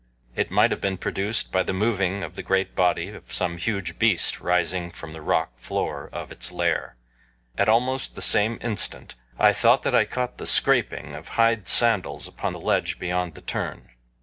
It might have been produced by the moving of the great body of some huge beast rising from the rock floor of its lair. At almost the same instant I thought that I caught the scraping of hide sandals upon the ledge beyond the turn.